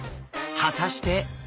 果たして！？